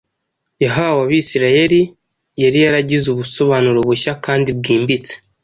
yahawe Abisirayeli yari yaragize ubusobanuro bushya kandi bwimbitse.